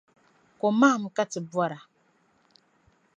Ko mahim ka ti bɔra.